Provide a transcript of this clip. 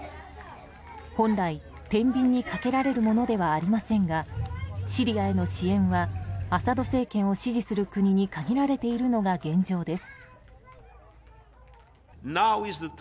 本来、てんびんにかけられるものではありませんがシリアへの支援はアサド政権を支持する国に限られているのが現状です。